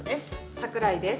桜井です。